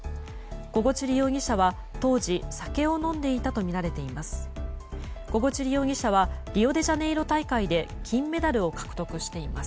ゴゴチュリ容疑者は当時、酒を飲んでいたとみられています。